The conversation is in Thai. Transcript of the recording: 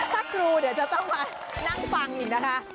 ถ้าครูเดี๋ยวจะต้องมานั่งฟังอีกนะคะ